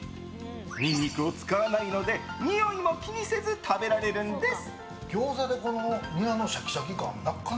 ニンニクを使わないのでにおいも気にせず食べられるんです。